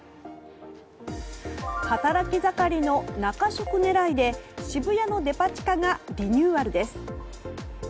働き盛りの中食狙いで渋谷のデパ地下がリニューアルです。